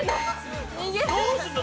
どうすんの？